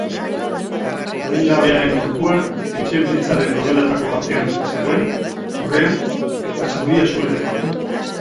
Adingabearen gorpua etxebizitzaren logeletako batean zegoen, lurrean, eta zauria zuen lepoan.